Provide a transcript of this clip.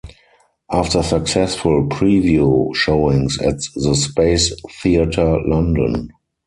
After successful preview showings at The Space Theatre, London.